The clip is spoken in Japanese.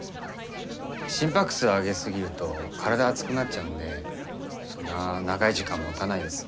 心拍数上げすぎると体熱くなっちゃうんでそんな長い時間もたないです。